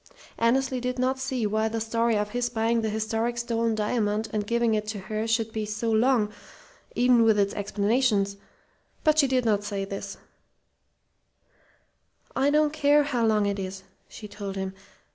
Annesley did not see why the story of his buying the historic stolen diamond and giving it to her should be so very long, even with its explanations; but she did not say this. "I don't care how long it is," she told him.